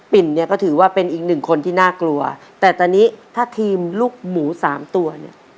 เนี่ยก็ถือว่าเป็นอีกหนึ่งคนที่น่ากลัวแต่ตอนนี้ถ้าทีมลูกหมูสามตัวเนี่ย